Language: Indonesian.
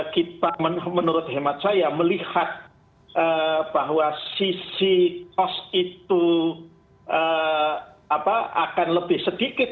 kita menurut hemat saya melihat bahwa sisi cost itu akan lebih sedikit